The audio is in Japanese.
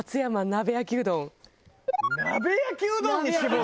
鍋焼きうどんに絞るの？